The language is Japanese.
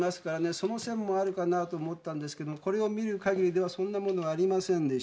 その線もあるかなと思ったんですけどこれを見る限りではそんなものはありませんでした。